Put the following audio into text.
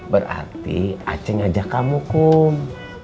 berarti aceh ajak kamu kum